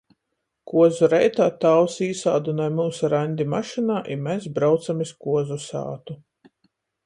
Kuozu reitā tāvs īsādynoj myus ar Aņdi mašynā i mes braucam iz kuozu sātu.